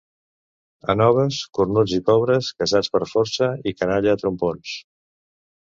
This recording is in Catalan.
A Noves, cornuts i pobres, casats per força i canalla a trompons.